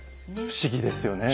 不思議ですよね。